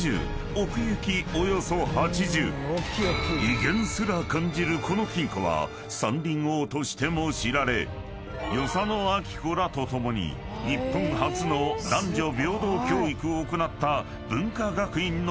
［威厳すら感じるこの金庫は山林王としても知られ与謝野晶子らと共に日本初の男女平等教育を行った］